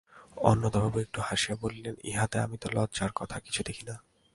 অন্নদাবাবু একটু হাসিয়া বলিলেন, ইহাতে আমি তো লজ্জার কথা কিছু দেখি না।